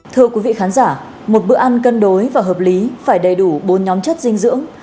thưa quý vị khán giả một bữa ăn cân đối và hợp lý phải đầy đủ bốn nhóm chất dinh dưỡng